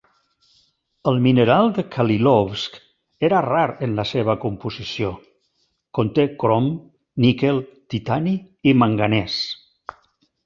El mineral de Khalilovsk era rar en la seva composició: conté crom, níquel, titani i manganès.